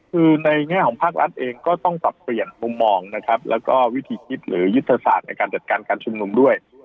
คือในแง่ของภาครัฐเองก็ต้องปรับเปลี่ยนมุมมองนะครับแล้วก็วิธีคิดหรือยุทธศาสตร์ในการจัดการการชุมนุมด้วย